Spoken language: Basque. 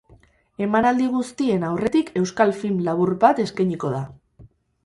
Emanaldi guztien aurretik euskal film labur bat eskainiko da.